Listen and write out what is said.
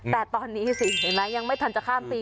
แต่ตอนนี้สิเห็นไหมยังไม่ทันจะข้ามตี